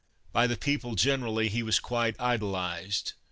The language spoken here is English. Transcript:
By the people generally, he was quite idolized.